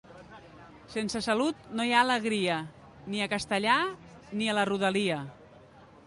Sense salut no hi ha alegria, ni a Castellar ni a la rodalia.